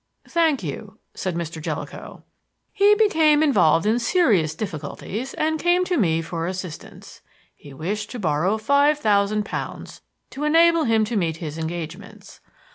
"Thank you," said Mr. Jellicoe. "He became involved in serious difficulties and came to me for assistance. He wished to borrow five thousand pounds to enable him to meet his engagements.